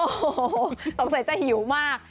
โอ้โหต้องใส่จะหิวมาก